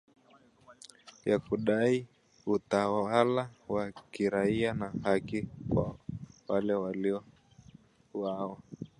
ya kudai utawala wa kiraia na haki kwa wale waliouawa